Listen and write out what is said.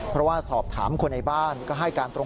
เพราะว่าสอบถามคนในบ้านก็ให้การตรง